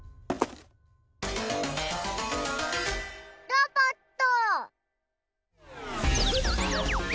ロボット！